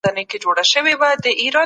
د مطالعې شوق پیاوړی کېږي.